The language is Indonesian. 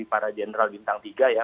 para jenderal bintang tiga ya